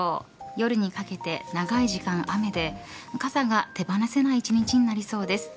夜にかけて長い時間雨で傘が手放せない１日になりそうです。